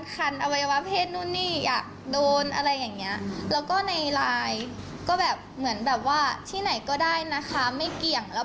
คือตามไปเช็คผลงานตัวเอง